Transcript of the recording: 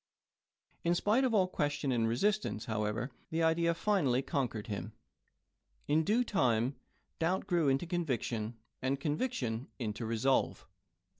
In spite of all question and resist ance, however, the idea finally conquered him. In due time, doubt grew into conviction, and conviction into resolve.